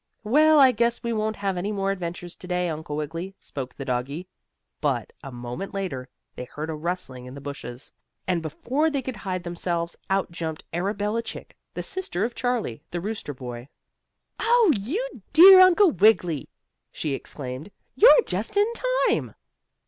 "Well, I guess we won't have any more adventures to day, Uncle Wiggily," spoke the doggie, but, a moment later, they heard a rustling in the bushes and, before they could hide themselves, out jumped Arabella Chick, the sister of Charlie, the rooster boy. "Oh, you dear Uncle Wiggily!" she exclaimed, "you're just in time."